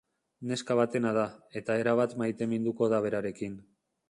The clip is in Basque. Neska batena da, eta erabat maiteminduko da berarekin.